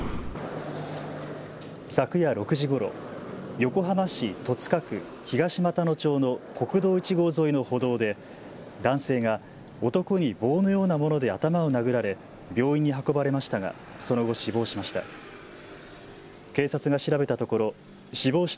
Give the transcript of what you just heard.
昨夜６時ごろ、横浜市戸塚区東俣野町の国道１号沿いの歩道で男性が男に棒のようなもので頭を殴られ病院に運ばれましたがその後、死亡しました。